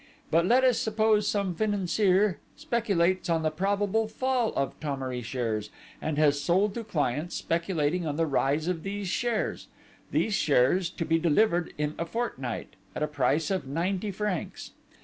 But let us suppose some financier speculates on the probable fall of Thomery shares, and has sold to clients speculating on the rise of these shares; these shares to be delivered in a fortnight, at a price of ninety francs.